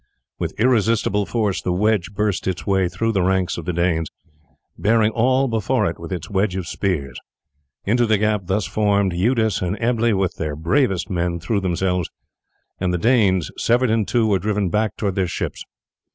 With irresistible force the wedge burst its way through the ranks of the Danes, bearing all before it with its wedge of spears. Into the gap thus formed Eudes and Ebble with their bravest men threw themselves, and the Danes, severed in two, were driven back towards their ships.